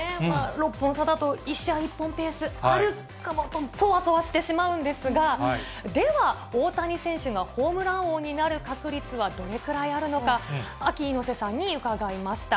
６本差だと、１試合１本ペース、あるかもと、そわそわしてしまうんですが、では、大谷選手がホームラン王になる確率はどれくらいあるのか、アキ猪瀬さんに伺いました。